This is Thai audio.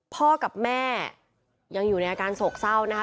พ่อกับแม่ยังอยู่ในอาการโศกเศร้านะคะ